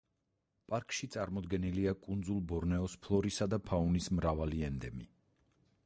პარკში წარმოდგენილია კუნძულ ბორნეოს ფლორისა და ფაუნის მრავალი ენდემი.